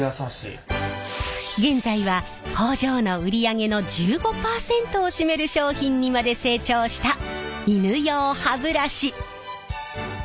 現在は工場の売り上げの１５％を占める商品にまで成長した犬用歯ブラシ。